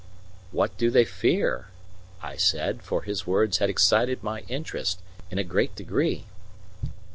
"What do they fear?" I said, for his words had excited my interest in a great degree.